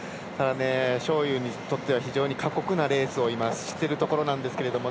章勇にとっては非常に過酷なレースを今しているところなんですけども。